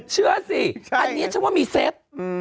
เชื่อสิอันนี้ฉันว่ามีเซฟ